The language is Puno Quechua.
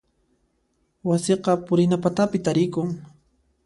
Wasiqa purina patapi tarikun.